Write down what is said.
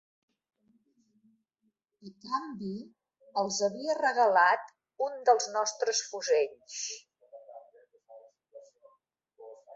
A canvi, els havia regalat un dels nostres fusells